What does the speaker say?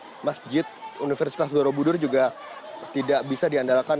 saya sangat mengungsi karena di masjid universitas jurubudur juga tidak bisa diandalkan